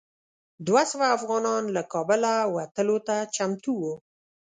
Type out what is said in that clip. دوه سوه افغانان له کابله وتلو ته چمتو وو.